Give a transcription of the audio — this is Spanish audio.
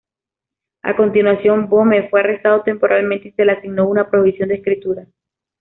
A continuación, Böhme fue arrestado temporalmente y se le asignó una prohibición de escritura.